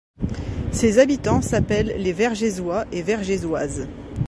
Ses habitants s'appellent les Vergézois et Vergézoises.